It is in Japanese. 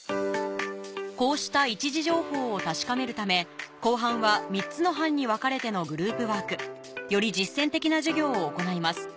こうした一次情報を確かめるため後半は３つの班に分かれてのグループワークより実践的な授業を行います授業は